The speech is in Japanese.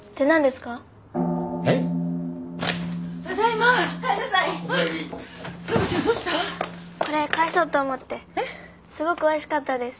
すごくおいしかったです。